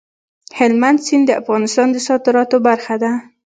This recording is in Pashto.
هلمند سیند د افغانستان د صادراتو برخه ده.